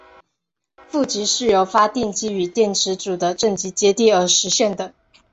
负极是由发电机与电池组的正极接地而实现的。